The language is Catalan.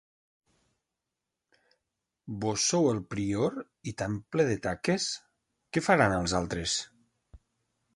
Vós sou el prior i tan ple de taques? Què faran els altres?